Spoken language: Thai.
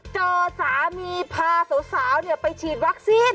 เจอสามีพาสาวไปฉีดวัคซีน